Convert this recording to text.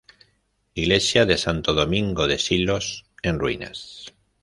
Iglesia de Santo Domingo de Silos, en ruinas.